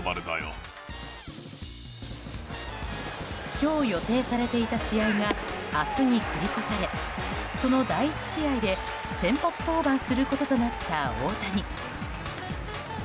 今日予定されていた試合が明日に繰り越されその第１試合で先発登板することとなった大谷。